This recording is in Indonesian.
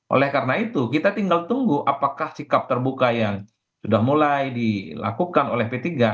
oleh karena itu kita tinggal tunggu apakah sikap terbuka yang sudah mulai dilakukan oleh p tiga